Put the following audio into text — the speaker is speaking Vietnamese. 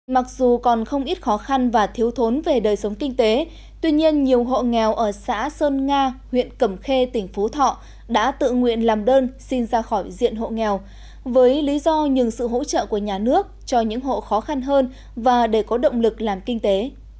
mặc dù còn không ít khó khăn và thiếu thốn về đời sống kinh tế tuy nhiên nhiều hộ nghèo ở xã sơn nga huyện cẩm khê tỉnh phú thọ đã tự nguyện làm đơn xin ra khỏi diện hộ nghèo với lý do nhường sự hỗ trợ của nhà nước cho những hộ khó khăn hơn và để có động lực làm kinh tế